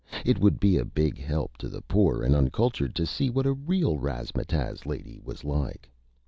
It would be a Big Help to the Poor and Uncultured to see what a Real Razmataz Lady was like.